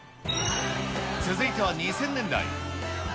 続いては２０００年代。